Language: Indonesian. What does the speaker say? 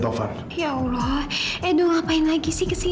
kafa papa datang